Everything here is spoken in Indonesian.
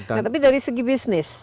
nah tapi dari segi bisnis